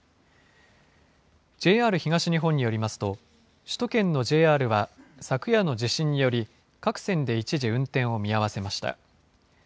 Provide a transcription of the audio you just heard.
ＪＲ東日本によりますと、首都圏のＪＲは、昨夜の地震により、各線で一時運転を見合わせました。